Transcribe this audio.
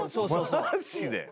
マジで？